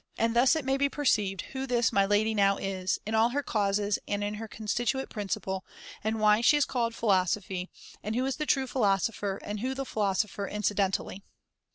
And thus it may be perceived who this my [[1503 lady now is, in all her causes and in her con stituent principle, and why she is called philo sophy, and who is the true philosopher and who the philosopher incidentally.